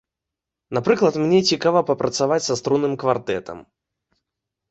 Напрыклад, мне цікава папрацаваць са струнным квартэтам.